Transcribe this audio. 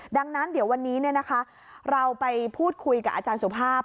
ดังนั้นเดี๋ยววันนี้เราไปพูดคุยกับอาจารย์สุภาพ